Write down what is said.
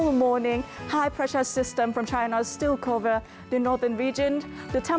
น้ำน้ำเย็นกรจิตน้ำมันคือเมืองนี้